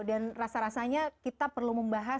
dan rasa rasanya kita perlu membahas